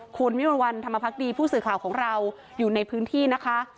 คุณวิมวลวันธรรมพักดีผู้สื่อข่าวของเราอยู่ในพื้นที่นะคะ